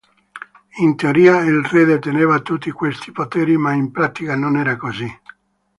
In teoria il re deteneva tutti questi poteri ma in pratica non era così.